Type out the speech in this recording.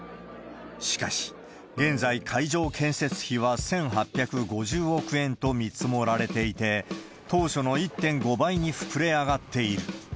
しかし現在、会場建設費は１８５０億円と見積もられていて、当初の１．５倍に膨れ上がっている。